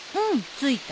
ついた。